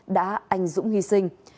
đã ảnh dũng hy sinh